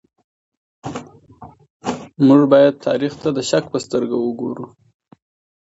موږ بايد تاريخ ته د شک په سترګه وګورو.